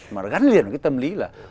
mà nó gắn liền với cái tâm lý là